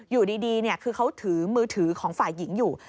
อยู่ดีคือเขาถือมือถือของฝ่ายหญิงอยู่